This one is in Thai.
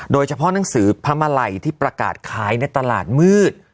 โดยเฉพาะหนังสือพระมาลัยที่ประกาศขายในตลาดมืด